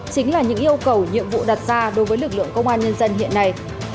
chính là những yêu cầu nhiệm vụ đặt ra đối với lực lượng công an nhân dân hiện nay